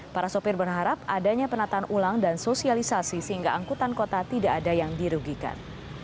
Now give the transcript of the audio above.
para sopir berharap adanya penataan ulang dan sosialisasi sehingga angkutan kota tidak ada yang dirugikan